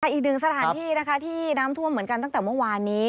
อีกหนึ่งสถานที่นะคะที่น้ำท่วมเหมือนกันตั้งแต่เมื่อวานนี้